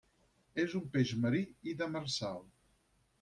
És un peix marí i demersal.